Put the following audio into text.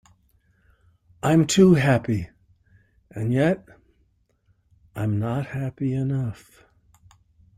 I’m too happy; and yet I’m not happy enough.